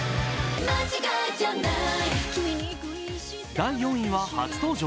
第４位は初登場。